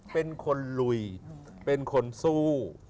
เป็นคนลุยเป็นคนสู้